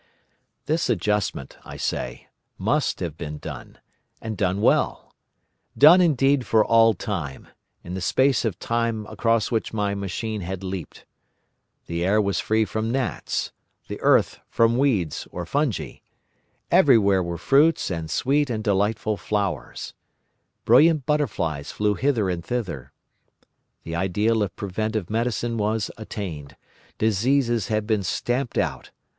"This adjustment, I say, must have been done, and done well; done indeed for all Time, in the space of Time across which my machine had leapt. The air was free from gnats, the earth from weeds or fungi; everywhere were fruits and sweet and delightful flowers; brilliant butterflies flew hither and thither. The ideal of preventive medicine was attained. Diseases had been stamped out.